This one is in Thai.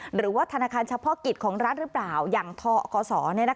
หรือว่าธนาคารเฉพาะจิตของรัฐหรือเปล่าอย่างถอกก่อสอนี้นะคะ